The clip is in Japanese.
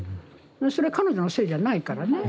それは彼女のせいじゃないからね。